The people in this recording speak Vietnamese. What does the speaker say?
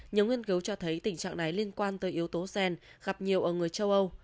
nhiều nghiên cứu cho thấy tình trạng này liên quan tới yếu tố gen gặp nhiều ở người châu âu